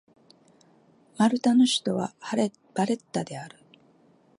マルタの首都はバレッタである